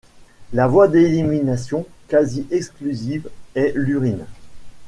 La voie d'élimination quasi exclusive est l'urine.